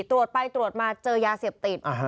ตรวจไปตรวจมาเจอยาเสพติด